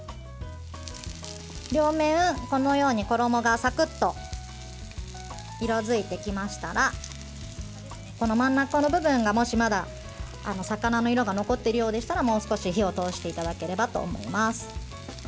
両面、このように衣がサクッと色づいてきましたらこの真ん中の部分がもし、まだ魚の色が残っているようでしたらもう少し火を通していただければと思います。